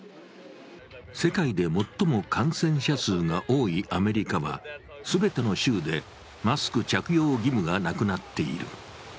世界で最も感染者数が多いアメリカは全ての州でマスク着用義務がなくなっている。